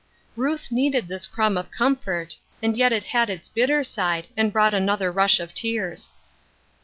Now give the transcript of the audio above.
Ruth needed this crumb of comfort and yet it Seeking Help, 81 had its bitter side, and brought another rush of tears.